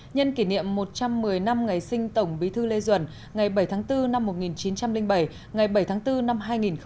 nhân kỷ niệm một trăm một mươi năm ngày sinh tổng bí thư lê duẩn ngày bảy tháng bốn năm một nghìn chín trăm linh bảy ngày bảy tháng bốn năm hai nghìn hai mươi